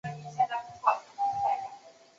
其他主要城市都位于海岸。